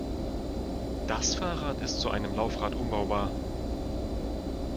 Das Fahrrad ist zu einem Laufrad umbaubar.